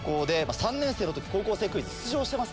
３年生の時『高校生クイズ』出場してますからね。